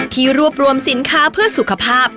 ที่รวบรวมสินค้าเพื่อสุขภาพ